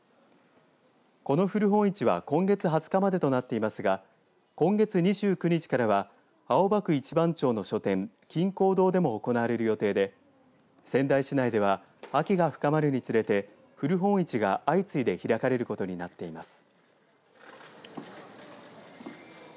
この古本市は今月２０日までとなっていますが今月２９日からは青葉区一番町の書店金港堂でも行われる予定で仙台市内では秋が深まるにつれて古本市が相次いで開かれることになっています。